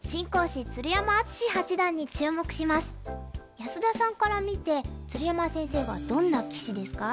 安田さんから見て鶴山先生はどんな棋士ですか？